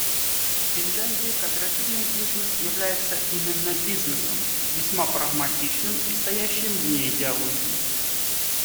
В Финляндии кооперативный бизнес является именно бизнесом — весьма прагматичным и стоящим вне идеологии.